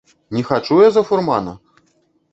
Не хачу я за фурмана!